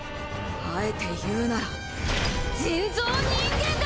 あえて言うなら人造人間だ！